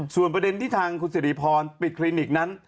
ส่วนประเด็นที่ทางคุณสิริพรปิดคลินิกนั้น